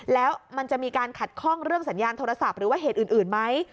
แล้วมันจะมีการขัดข้องเรื่องสัญญาณโทรศัพท์หรือว่าเหตุอื่นไหม